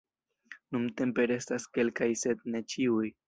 Nuntempe restas kelkaj sed ne ĉiuj.